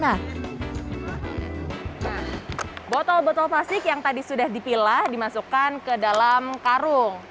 nah botol botol plastik yang tadi sudah dipilah dimasukkan ke dalam karung